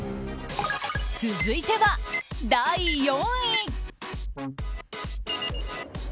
続いては、第４位。